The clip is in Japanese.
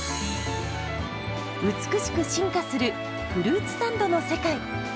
美しく進化するフルーツサンドの世界。